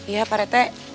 iya pak rt